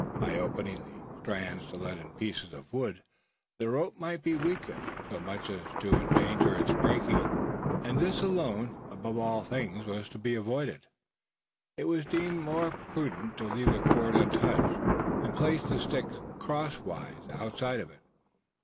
By opening the strands to let in the pieces of wood, the rope might be weakened, so much as to endanger its breaking; and this alone, above all things, was to be avoided. It was deemed more prudent to leave the cord untouched, and place the sticks crosswise outside of it.